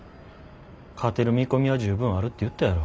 勝てる見込みは十分あるって言ったやろ。